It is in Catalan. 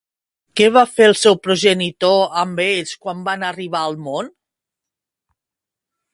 Què va fer el seu progenitor amb ells quan van arribar al món?